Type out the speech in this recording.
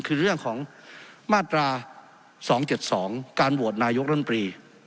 คือเรื่องของมาตรา๒๗๒การโหวตนายกรัฐมนตรี